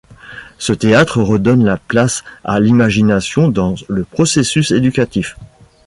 Ce théâtre redonne la place à l’imagination dans le processus éducatif.